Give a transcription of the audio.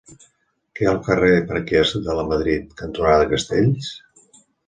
Què hi ha al carrer Marquès de Lamadrid cantonada Castells?